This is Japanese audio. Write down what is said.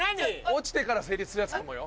落ちてから成立するやつかもよ。